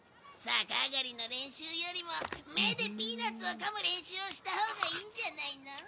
逆上がりの練習よりも目でピーナツをかむ練習をしたほうがいいんじゃないの？